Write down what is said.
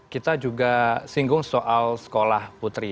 kita juga singgung soal sekolah putri